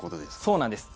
そうなんです。